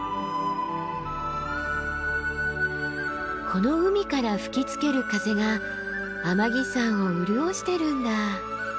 この海から吹きつける風が天城山を潤してるんだ。